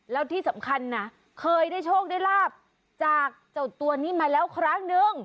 แล้วที่สำคัญนะเคยได้โชคได้ลาบจากเจ้าตัวนี้มาแล้วครั้งนึง